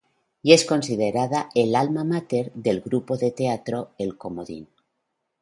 Y es considerada el "alma mater" del grupo de teatro El comodín.